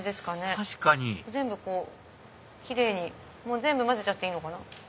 確かに全部キレイに全部混ぜちゃっていいのかな。